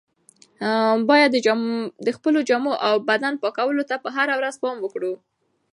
باید د خپلو جامو او بدن پاکوالي ته هره ورځ پام وکړو.